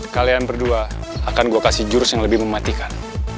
kalian berdua akan gue kasih jurus yang lebih mematikan